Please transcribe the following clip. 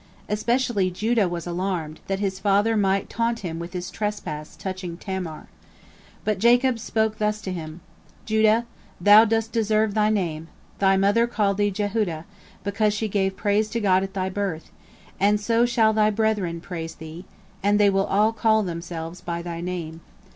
Especially Judah was alarmed, that his father might taunt him with his trespass touching Tamar. But Jacob spoke thus to him: "Judah, thou dost deserve thy name. Thy mother called thee Jehudah, because she gave praise to God at thy birth, and so shall thy brethren praise thee, and they all will call themselves by thy name.